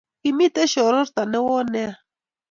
kimiten shororto newon nea